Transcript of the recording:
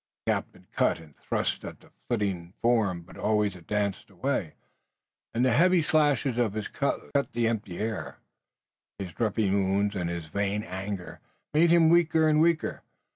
The captain cut and thrust at the flitting form but always it danced away, and the heavy slashes of his cutlass cut the empty air, his dripping wounds and his vain anger making him weaker and weaker.